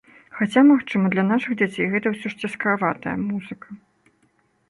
Хаця, магчыма, для нашых дзяцей гэта ўсё ж цяжкаватая музыка.